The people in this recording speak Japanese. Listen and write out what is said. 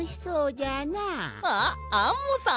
あっアンモさん